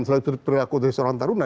selalu berperilaku dari seorang taruna